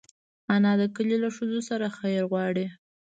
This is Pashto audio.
انا د کلي له ښځو سره خیر غواړي